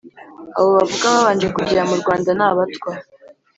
abo bavuga babanje kugera mu rwanda, ni abatwa,